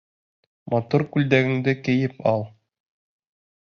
Матур күлдәгеңде кейеп ал.